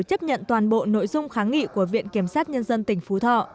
chấp nhận toàn bộ nội dung kháng nghị của viện kiểm sát nhân dân tỉnh phú thọ